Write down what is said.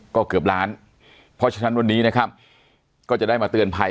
ก็เกือบล้านเพราะฉะนั้นวันนี้นะครับก็จะได้มาเตือนภัย